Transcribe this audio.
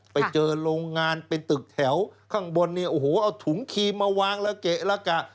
ไปเจอโรงงานเป็นตึกแถวข้างบนเนี่ยโอ้โหเอาถุงครีมมาวางละเกะละกะ